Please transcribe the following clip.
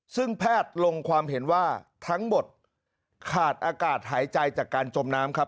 ซึ่งแพทย์ลงความเห็นว่าทั้งหมดขาดอากาศหายใจจากการจมน้ำครับ